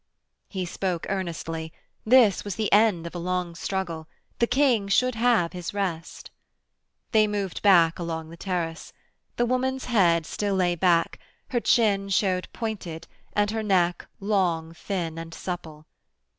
He spoke earnestly: This was the end of a long struggle. The King should have his rest. They moved back along the terrace. The woman's head still lay back, her chin showed pointed and her neck, long, thin and supple.